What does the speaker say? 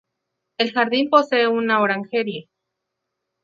El jardín posee una orangerie.